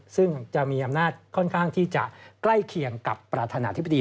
ซึ่งจะมีอำนาจค่อนข้างที่จะใกล้เคียงกับประธานาธิบดี